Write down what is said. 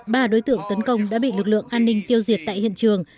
ba đối tượng tấn công đã bị lực lượng an ninh tiêu diệt tại hiện trường